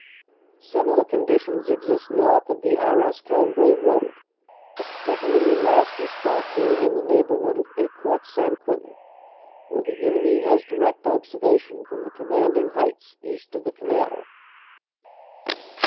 Similar conditions exist north of the Arras Cambrai road, a particularly nasty spot being in the neighborhood of Ecourt St. Quentin, where the enemy has direct observation from the commanding heights east of the canal.